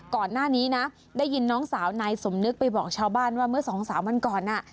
ก่อนหน้านี้นะได้ยินน้องสาวนายสมนึกไปบอกชาวบ้านว่าเมื่อสองสามวันก่อน